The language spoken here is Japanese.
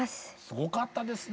すごかったですね。